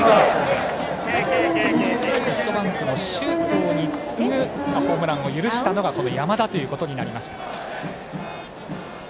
ソフトバンクの周東に次ぐホームランを許したのがこの山田となりました。